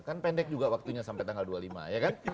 kan pendek juga waktunya sampai tanggal dua puluh lima ya kan